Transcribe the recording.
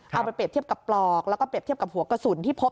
เอาไปเปรียบเทียบกับปลอกแล้วก็เปรียบเทียบกับหัวกระสุนที่พบ